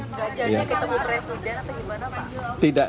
tidak bertemu dengan presiden atau gimana pak